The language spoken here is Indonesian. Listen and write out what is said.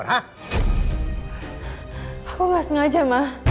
aku gak sengaja ma